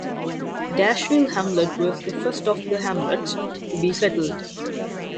Dashville hamlet was the first of the hamlets to be settled.